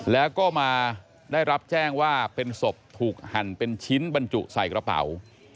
แล้วก็มาได้รับแจ้งว่าเป็นศพถูกหั่นเป็นชิ้นบรรจุใส่กระเป๋า